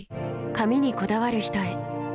髪にこだわる人へ。